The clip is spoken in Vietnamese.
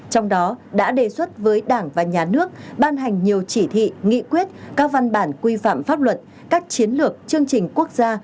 trong đó đã đề xuất với đảng và nhà nước ban hành nhiều chỉ thị nghị quyết các văn bản quy phạm pháp luật các chiến lược chương trình quốc gia